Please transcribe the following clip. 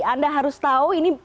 anda harus tahu ini